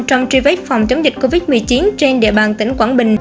trong truy vết phòng chống dịch covid một mươi chín trên địa bàn tỉnh quảng bình